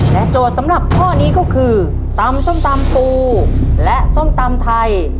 โจทย์สำหรับข้อนี้ก็คือตำส้มตำปูและส้มตำไทย